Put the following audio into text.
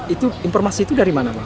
itu informasi itu dari mana pak